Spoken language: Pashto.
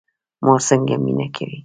مور څنګه مینه کوي؟